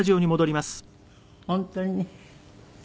本当にね。